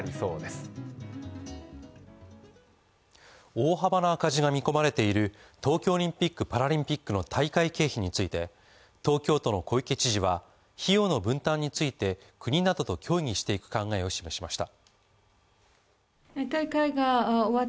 大幅な赤字が見込まれている東京オリンピック・パラリンピックの大会経費について東京都の小池知事は費用の分担について国などと協議していく考えを示しました。